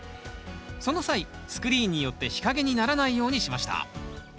その際スクリーンによって日陰にならないようにしました。